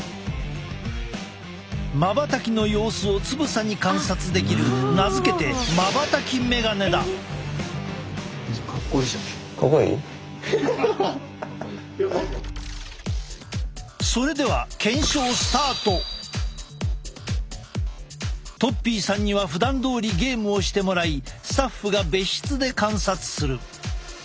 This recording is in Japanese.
まばたきの様子をつぶさに観察できる名付けてとっぴーさんにはふだんどおりゲームをしてもらいスタッフが別室で観察する。